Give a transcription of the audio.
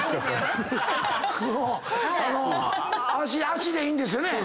脚でいいんですよね